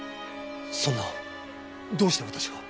そんなどうして私が？